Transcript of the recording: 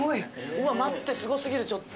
うわ待ってすごすぎるちょっと。